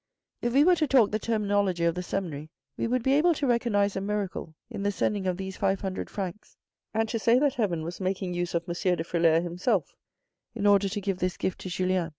If we were to talk the terminology of the seminary, we would be able to recognise a miracle in the sending of these five hundred francs and to say that heaven was making use of Monsieur de Frilair himself in order to give this gift to Julien.